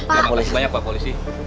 karena polisi banyak pak polisi